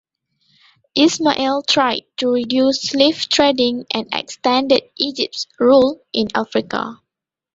Ismail tried to reduce slave trading and extended Egypt's rule in Africa.